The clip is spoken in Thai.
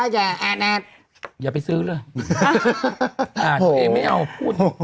อย่าไปซื้อเลยอ่านเพลงไม่เอาพูด